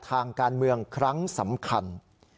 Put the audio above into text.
ทางการเมืองครั้งสำคัญ